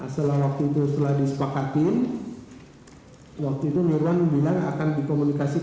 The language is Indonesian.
setelah waktu itu disepakati mirwan bilang akan dikomunikasikan